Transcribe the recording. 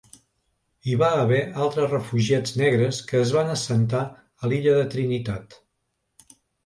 Hi va haver altres refugiats negres que es van assentar a l'illa de Trinitat.